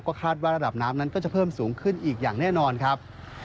คาดว่าระดับน้ำนั้นก็จะเพิ่มสูงขึ้นอีกอย่างแน่นอนครับ